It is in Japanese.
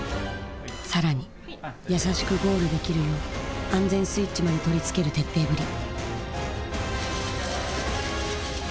更に優しくゴールできるよう安全スイッチまで取りつける徹底ぶり。